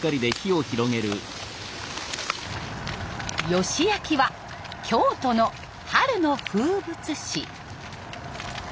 ヨシ焼きは京都の春の風物詩。